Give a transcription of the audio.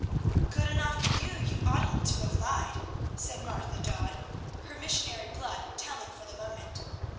"Good enough for you; you oughtn't to have lied," said Martha Dodd, her missionary blood telling for the moment.